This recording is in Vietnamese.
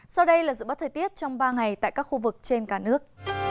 sau đây là dự báo thời tiết trong ba ngày tại các khu vực trên cả nước